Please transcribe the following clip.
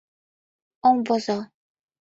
Ом возо!